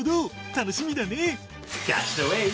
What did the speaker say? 楽しみだね。